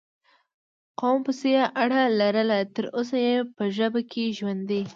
قوم پسې یې اړه لرله، تر اوسه یې په ژبه کې ژوندی